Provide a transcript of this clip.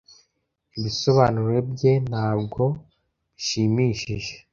Ibisobanuro bye ntabwo bishimishije.